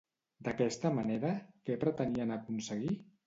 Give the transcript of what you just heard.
D'aquesta manera, què pretenien aconseguir?